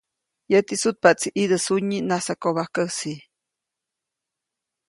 Yäti sutpaʼtsi ʼidä sunyi najsakobajkäsi.